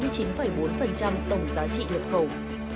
chiếm bốn mươi chín bốn tổng giá trị nhập khẩu